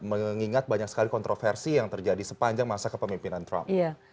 mengingat banyak sekali kontroversi yang terjadi sepanjang masa kepemimpinan trump